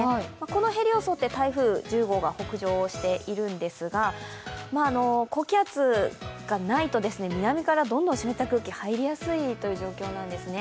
このへりを沿って台風１０号が北上しているんですが、高気圧がないと南からどんどん湿った空気が入りやすい状況なんですね。